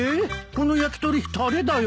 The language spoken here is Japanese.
この焼き鳥たれだよ。